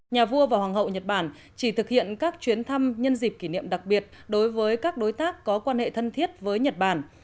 nhà vua và hoàng hậu nhật bản chỉ thực hiện các chuyến thăm nhân dịp kỷ niệm đặc biệt đối với các đối tác có quan hệ thân thiết với nhật bản